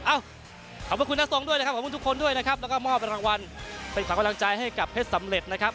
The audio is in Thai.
ขอบคุณคุณน้าทรงด้วยนะครับขอบคุณทุกคนด้วยนะครับแล้วก็มอบรางวัลเป็นขวัญกำลังใจให้กับเพชรสำเร็จนะครับ